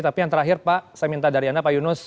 tapi yang terakhir pak saya minta dari anda pak yunus